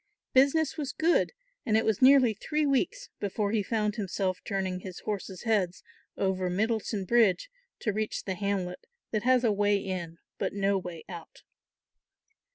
Business was good and it was nearly three weeks before he found himself turning his horses' heads over Middleton bridge to reach the hamlet that has a way in but no way out.